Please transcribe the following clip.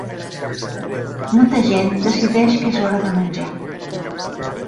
Molta gent decideix que és hora de menjar.